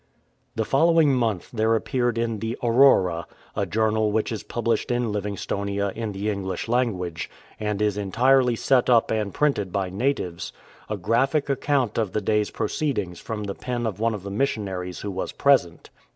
The following month there appeared in the Aurora^ a journal which is published in Livingstonia in the English language, and is entirely set up and printed by natives, a graphic account of the day's proceedings from the pen of one of the missionaries who was present.